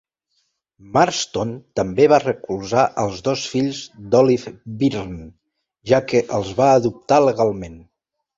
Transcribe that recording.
Marston també va recolzar els dos fills d'Olive Byrne, ja que els va adoptar legalment.